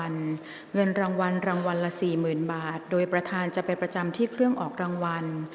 เงินรางวัลรางวัลละ๔๐๐๐บาทโดยประธานจะไปประจำที่เครื่องออกรางวัล